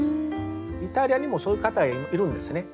イタリアにもそういう方いるんですね。